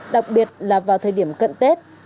đặc biệt là vào thời điểm cận tết